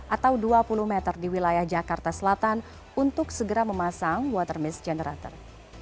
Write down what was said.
atau dua puluh meter di wilayah jakarta selatan untuk segera memasang water miss generator